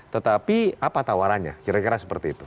tetapi apa tawarannya kira kira seperti itu